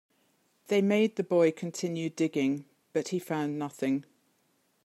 They made the boy continue digging, but he found nothing.